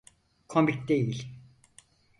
Komik değil.